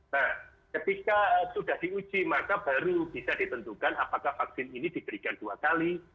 nah ketika sudah diuji maka baru bisa ditentukan apakah vaksin ini diberikan dua kali